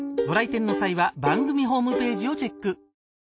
ご来店の際は番組ホームページをチェック